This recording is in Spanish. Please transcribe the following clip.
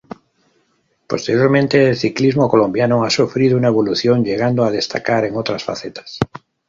Posteriormente, el ciclismo colombiano ha sufrido una evolución, llegando a destacar en otras facetas.